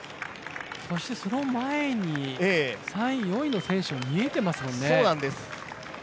そしてその前に３位、４位の選手も見えてますもんね。